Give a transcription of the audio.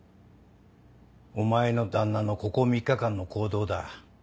お前の旦那のここ３日間の行動だ。